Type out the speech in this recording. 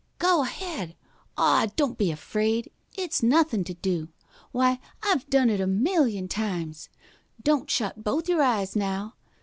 "Go ahead. Aw, don't be afraid. It's nothin' to do. Why, I've done it a million times. Don't shut both your eyes, now.